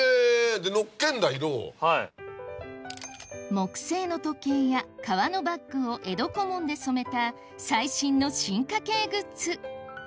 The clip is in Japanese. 木製の時計や革のバッグを江戸小紋で染めた最新の進化系グッズ